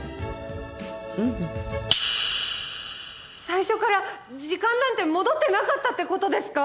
最初から時間なんて戻ってなかったって事ですか？